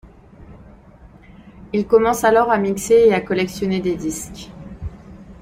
Il commence alors à mixer et à collectionner des disques.